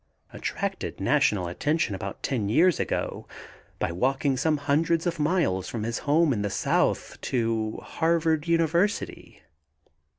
Attracted national attention about ten years ago by walking some hunderds of miles from his home in the South to Harvard University.